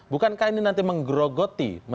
bukankah ini nanti menggerogoti